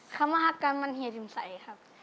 คำว่าฮักกันมันเฮียทิมใสครับ